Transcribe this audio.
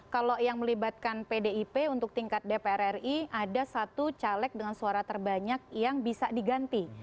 kalau yang melibatkan pdip untuk tingkat dpr ri ada satu caleg dengan suara terbanyak yang bisa diganti